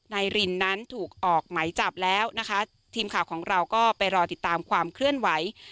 รินนั้นถูกออกไหมจับแล้วนะคะทีมข่าวของเราก็ไปรอติดตามความเคลื่อนไหว